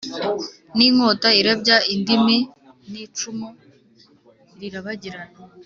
n’inkota irabya indimi n’icumu rirabagirana